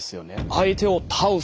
相手を倒す。